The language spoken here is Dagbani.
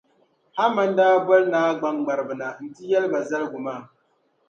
Haman daa boli naa gbaŋŋmariba na nti yɛli ba zaligu maa.